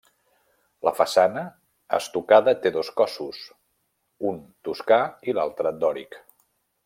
La façana, estucada té dos cossos, un toscà i l'altre dòric.